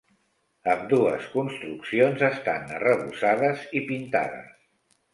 Ambdues construccions estan arrebossades i pintades.